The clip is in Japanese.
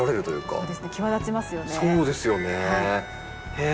そうですね。